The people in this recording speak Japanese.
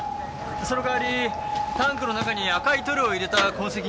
その代わりタンクの中に赤い塗料を入れた痕跡が。